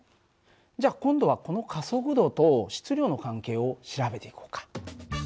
じゃ今度はこの加速度と質量の関係を調べていこうか。